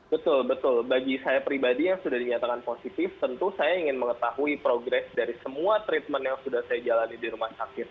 betul betul bagi saya pribadi yang sudah dinyatakan positif tentu saya ingin mengetahui progres dari semua treatment yang sudah saya jalani di rumah sakit